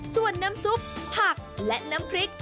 ส่วนน้ำซุปผักและน้ำพริก